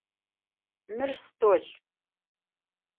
Мыр стол.